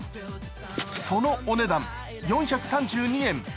そのお値段４３２円。